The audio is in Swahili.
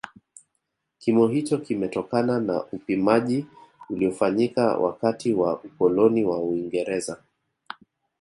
Kimo hicho kimetokana na upimaji uliofanyika wakati wa ukoloni wa Uingereza